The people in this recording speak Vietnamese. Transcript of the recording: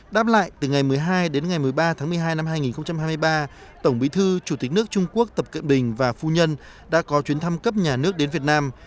đáp lại từ ngày một mươi hai đến ngày một mươi ba tháng một mươi hai năm hai nghìn hai mươi ba tổng bí thư chủ tịch nước trung quốc tập cận bình và phu nhân đã có chuyến thăm cấp nhà nước đến việt nam